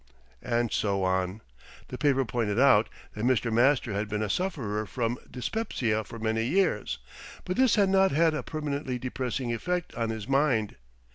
And so on. The paper pointed out that Mr. Master had been a sufferer from dyspepsia for many years, but this had not had a permanently depressing effect on his mind.